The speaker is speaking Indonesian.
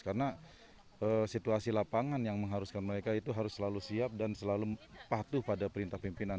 karena situasi lapangan yang mengharuskan mereka itu harus selalu siap dan selalu patuh pada perintah pimpinan